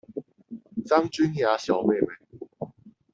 張君雅小妹妹